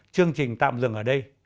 chương trình tạm dừng ở đây